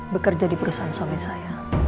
bekerja di perusahaan ini